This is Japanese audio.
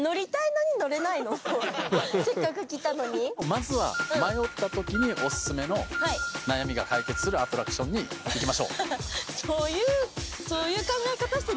まずは迷ったときにお薦めの悩みが解決するアトラクションに行きましょう！